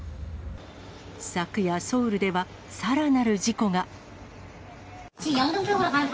昨夜、ソウルではさらなる事故が。